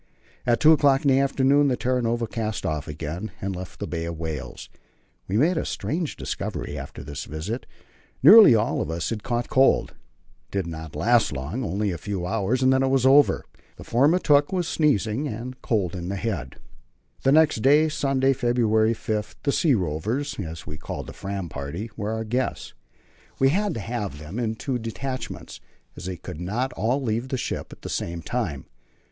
At two o'clock in the afternoon the Terra Nova cast off again, and left the Bay of Whales. We made a strange discovery after this visit. Nearly all of us had caught cold. It did not last long only a few hours and then it was over. The form it took was sneezing and cold in the head. The next day Sunday, February 5 the "sea rovers," as we called the Fram party, were our guests. We had to have them in two detachments, as they could not all leave the ship at the same time.